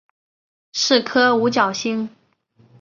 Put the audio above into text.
是颗五角星。